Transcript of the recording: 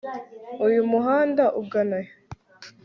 Uyu muhanda ugana he